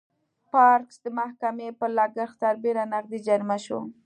پارکس د محکمې پر لګښت سربېره نغدي جریمه شوه.